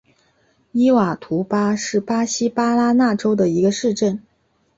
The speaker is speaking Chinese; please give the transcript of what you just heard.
伊瓦图巴是巴西巴拉那州的一个市镇。